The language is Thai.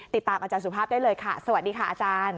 ติดตามอาจารย์สุภาพได้เลยค่ะสวัสดีค่ะอาจารย์